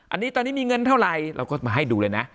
อันนี้ตอนนี้มีเงินเท่าไหร่เราก็มาให้ดูเลยนะ